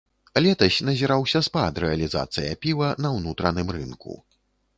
Летась назіраўся спад рэалізацыя піва на ўнутраным рынку.